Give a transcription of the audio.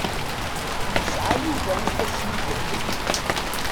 Yesɛa Yuba ifassen iǧehden.